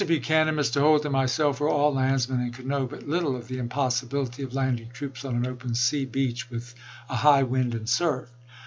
Buchanan, Mr. Holt, and myself were all landsmen and could know but little of the impossibility of landing troops on an open sea beach with a high wind and surf.